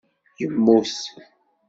Yemmut